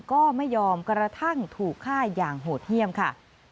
ก็ไม่ยอมกระทั่งถูกฆ่าอย่างโหดเยี่ยมค่ะ